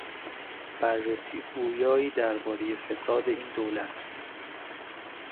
بررسی گویایی دربارهی فساد این دولت